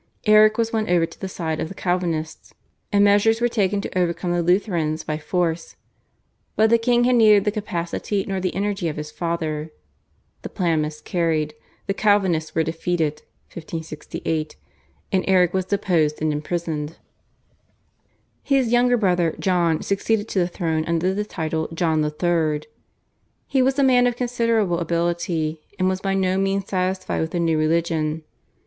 Erik was won over to the side of the Calvinists, and measures were taken to overcome the Lutherans by force, but the king had neither the capacity nor the energy of his father. The plan miscarried; the Calvinists were defeated (1568), and Erik was deposed and imprisoned. His younger brother John succeeded to the throne under the title John III. He was a man of considerable ability, and was by no means satisfied with the new religion.